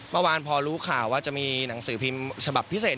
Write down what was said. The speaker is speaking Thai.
เมื่อวานพอรู้ข่าวว่าจะมีหนังสือพิมพ์ฉบับพิเศษ